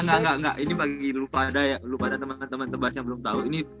gak gak gak ini bagi lu pada ya lu pada temen temen tebas yang belum tau ini